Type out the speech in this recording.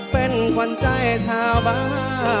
เป็นคนใจชาวบ้าน